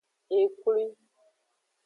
Eklwi.